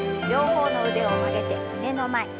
両方の腕を曲げて胸の前。